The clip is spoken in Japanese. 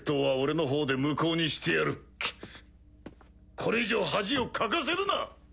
これ以上恥をかかせるな！